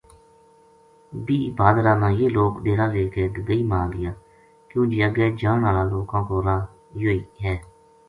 بیہہ بھادرا نا یہ لوک ڈیرا لے کے گگئی ما آ گیا کیوں جے اگے جان ہالا لوکاں کو راہ یوہ ہی ہے۔